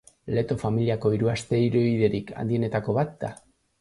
Leto familiako hiru asteroiderik handienetako bat da.